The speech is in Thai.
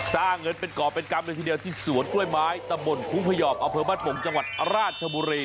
จ้างเงินเป็นก่อเป็นการบริษัทที่เดียวที่สวนกล้วยไม้ตะบ่นภูมิพยอบอเผิมบ้านบงจังหวัดราชบุรี